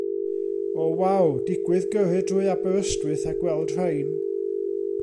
Oh waw, digwydd gyrru drwy Aberystwyth a gweld rhain.